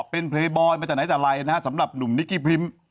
เป็นเยบอยมาจากไหนแต่ไรนะฮะสำหรับหนุ่มนิกกี้พริม